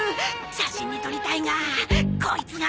写真に撮りたいがコイツが！